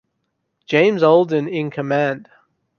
James Alden in command.